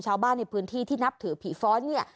ชาวบ้านในพื้นที่ที่นับถือผีฟ้อนเนี่ย